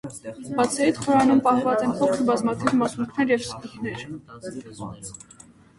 Բացի այդ՝ խորանում պահվում են փոքր բազմաթիվ մասունքներ և սկիհներ։